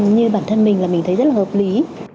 như bản thân mình là mình thấy rất là hợp lý